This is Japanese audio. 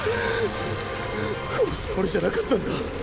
殺すつもりじゃなかったんだ。